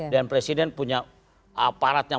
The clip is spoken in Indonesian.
presiden punya aparat yang